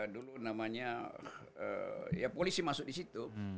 dulu namanya ya polisi masuk disitu